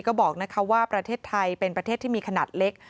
ก็บอกว่าประเทศไทยเป็นประเทศที่มีขนาดเล็ก